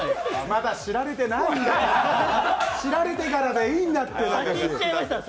まだ知られてないんだから、知られてからでいいんだから。